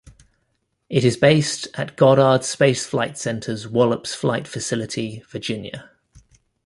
It is based at Goddard Space Flight Center's Wallops Flight Facility, Virginia.